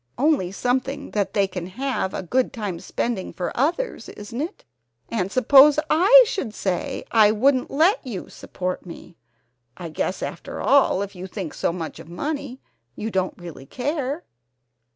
Only something that they can have a good time spending for others, isn't it? And suppose I should say I wouldn't let you support me? I guess after all if you think so much of money you don't really care!"